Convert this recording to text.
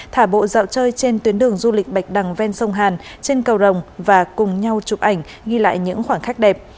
thả bộ dạo chơi trên tuyến đường du lịch bạch đằng ven sông hàn trên cầu rồng và cùng nhau chụp ảnh ghi lại những khoảnh khắc đẹp